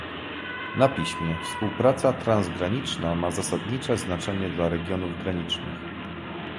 na piśmie - Współpraca transgraniczna ma zasadnicze znaczenie dla regionów granicznych